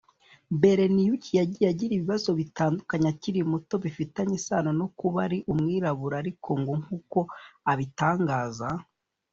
Beleniuk yagiye agira ibibazo bitandukanye akiri muto bifitanye isano no kuba ari umwirabura ariko ngo nk’uko abitangaza